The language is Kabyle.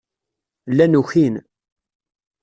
Llan ukin.